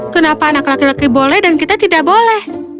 kenapa anak laki laki boleh dan kita tidak boleh